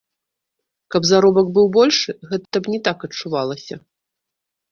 Каб заробак быў большы, гэта б не так адчувалася.